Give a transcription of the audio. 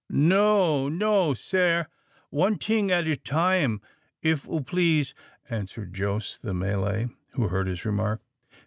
"No, no, sare, one ting at a time, if oo please," answered Jos the Malay, who heard his remark.